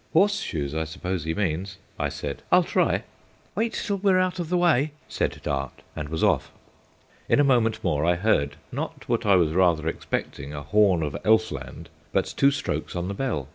"Horseshoes, I suppose he means," I said. "I'll try." "Wait till we're out of the way," said Dart, and was off. In a moment more I heard not what I was rather expecting, a horn of Elf land, but two strokes on the bell.